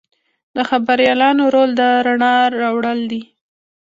د خبریالانو رول د رڼا راوړل دي.